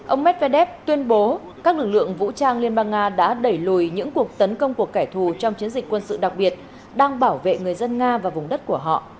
ông medvedev tuyên bố các lực lượng vũ trang liên bang nga đã đẩy lùi những cuộc tấn công của kẻ thù trong chiến dịch quân sự đặc biệt đang bảo vệ người dân nga và vùng đất của họ